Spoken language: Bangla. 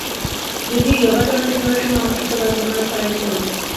যদিও ইয়াবা চালানটি ধরার সময় আমার ছোট ভাই ঘটনাস্থলেই ছিল না।